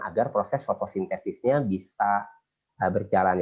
agar proses fotosintesisnya bisa berjalan